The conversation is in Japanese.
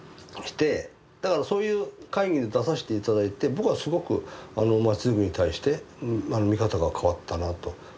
だからそういう会議に出させて頂いて僕はすごくまちづくりに対して見方が変わったなと。